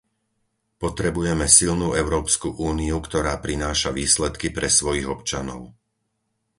Potrebujeme silnú Európsku úniu, ktorá prináša výsledky pre svojich občanov.